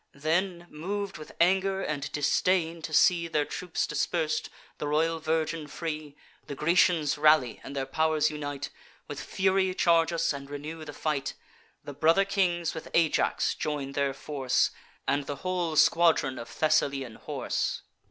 Then, mov'd with anger and disdain, to see Their troops dispers'd, the royal virgin free, The Grecians rally, and their pow'rs unite, With fury charge us, and renew the fight. The brother kings with Ajax join their force, And the whole squadron of Thessalian horse.